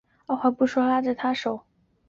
二话不说拉住她的手往回走